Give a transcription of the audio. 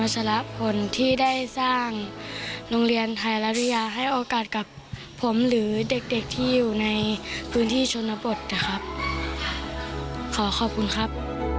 จะอยากให้โอกาสกับผมหรือเด็กที่อยู่ในพื้นที่ชนบทนะครับขอขอบคุณครับ